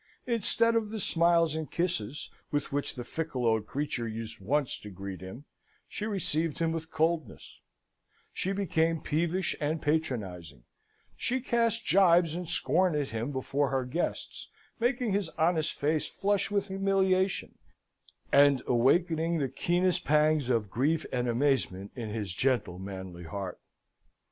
Instead of the smiles and kisses with which the fickle old creature used once to greet him, she received him with coldness; she became peevish and patronising; she cast gibes and scorn at him before her guests, making his honest face flush with humiliation, and awaking the keenest pangs of grief and amazement in his gentle, manly heart.